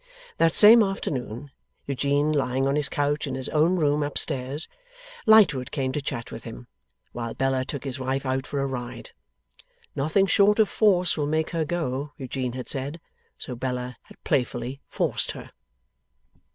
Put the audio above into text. That same afternoon, Eugene lying on his couch in his own room upstairs, Lightwood came to chat with him, while Bella took his wife out for a ride. 'Nothing short of force will make her go,' Eugene had said; so, Bella had playfully forced her.